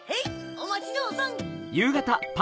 おまちどおさん！